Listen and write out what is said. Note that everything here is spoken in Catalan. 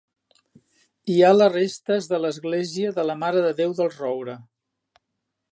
Hi ha les restes de l'església de la Mare de Déu del Roure.